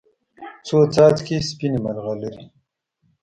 څو څاڅکي سپینې، مرغلرې